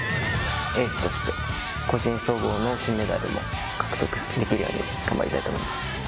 エースとして個人総合の金メダルも獲得できるように頑張りたいと思います。